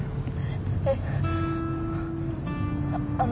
えっ。